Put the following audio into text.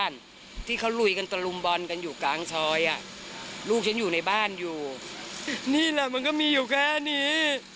นี่แหละมันก็มีอยู่แค่นี้